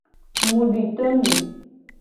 Mu di to nye.